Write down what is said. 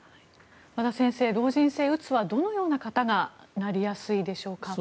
和田先生、老人性うつはどのような方がなりやすいんでしょうか。